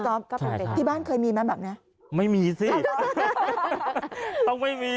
โตโตเล่นกับใครอ่ะ